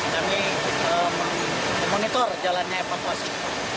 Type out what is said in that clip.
kami memonitor jalannya evakuasi